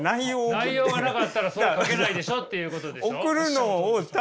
内容がなかったらそれ描けないでしょっていうことでしょ。